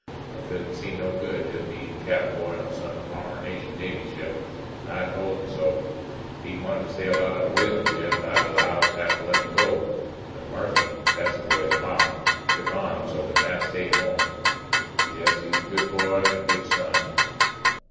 I couldn't see no good in his being cabin boy on some tarnation Navy ship and I told him so. If he'd wanted to sail out on a whaling ship, I 'low I'd have let him go. But Marthy that's the boy's Ma took on so that Matt stayed home. Yes, he's a good boy and a good son.